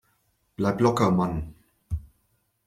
Bleib locker, Mann!